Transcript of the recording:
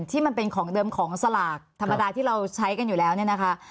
ที่มันเป็นของเดิมของสลากธรรมดาที่เราใช้กันอยู่แล้วเนี่ยนะคะ